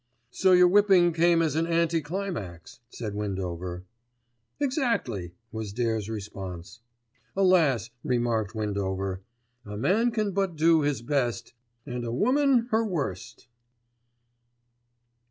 "So your whipping came as an anti climax," said Windover. "Exactly," was Dare's response. "Alas!" remarked Windover, "A man can but do his best and a woman her worst."